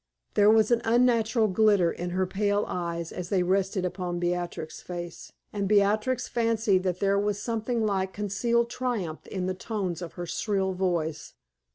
There was an unnatural glitter in her pale eyes as they rested upon Beatrix's face; and Beatrix fancied that there was something like concealed triumph in the tones of her shrill voice.